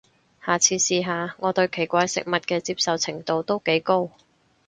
下次試下，我對奇怪食物嘅接受程度都幾高